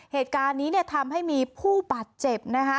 เหตุการณ์นี้ทำให้มีผู้บาดเจ็บ